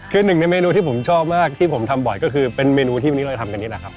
คือหนึ่งในเมนูที่ผมชอบมากที่ผมทำบ่อยก็คือเป็นเมนูที่วันนี้เราจะทำกันนี่แหละครับ